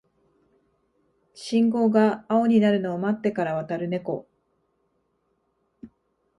信号が青になるのを待ってから渡るネコ